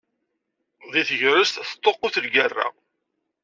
Deg tegrest teṭṭuqqut lgerra.